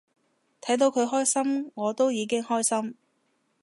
睇到佢開心我都已經開心